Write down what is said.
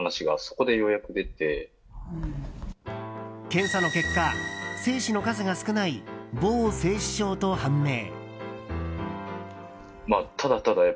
検査の結果、精子の数が少ない乏精子症と判明。